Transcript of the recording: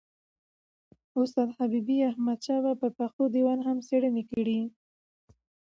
استاد حبیبي احمدشاه بابا پر پښتو دېوان هم څېړني وکړې.